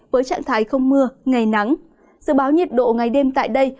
với trạng thái không mưa ngày nắng dự báo nhiệt độ ngày đêm tại đây